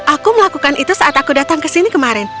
aku melakukan itu saat aku datang ke sini kemarin